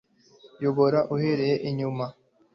Yobora uhereye inyuma